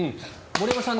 森山さん